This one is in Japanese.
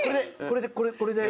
これでこれで。